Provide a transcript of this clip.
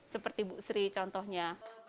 seperti bu sri contohnya